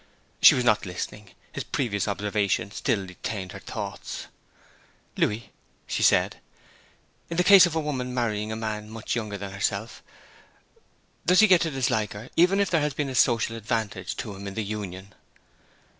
She was not listening; his previous observation still detained her thoughts. 'Louis,' she said, 'in the case of a woman marrying a man much younger than herself, does he get to dislike her, even if there has been a social advantage to him in the union?'